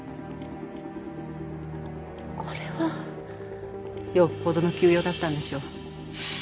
これはよっぽどの急用だったんでしょう。